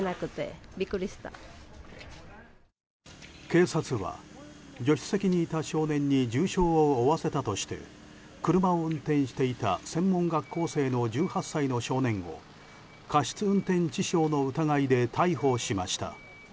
警察は、助手席にいた少年に重傷を負わせたとして車を運転していた専門学校生の１８歳の少年を過失運転致傷の疑いで逮捕しました。